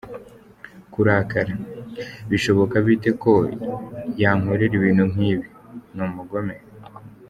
Kurakara: ‘Bishoboka bite ko yankorera ibintu nk’ibi? Ni umugome.